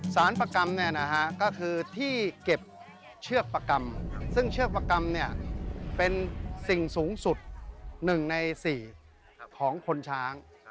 สารประกรรมก็คือที่เก็บเชือกประกรรมซึ่งเชือกประกรรมเนี่ยเป็นสิ่งสูงสุด๑ใน๔ของคนช้าง